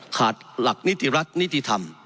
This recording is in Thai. ขาดหลักนิติรัฐนิติธรรม